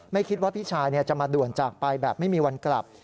ไม่คิดว่าพี่ชายจะมาด่วนจากไปแบบไม่มีวันกลับ